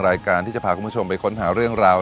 รายการที่จะพาคุณผู้ชมไปค้นหาเรื่องราว